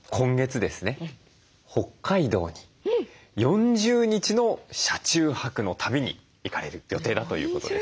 北海道に４０日の車中泊の旅に行かれる予定だということです。